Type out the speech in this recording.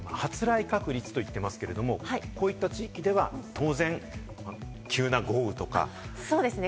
発雷確率と言ってますけれども、こういった地域では当然、急な豪雨とか、突風とかね。